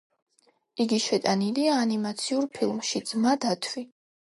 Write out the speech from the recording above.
იგი შეტანილია ანიმაციურ ფილმში ძმა დათვი.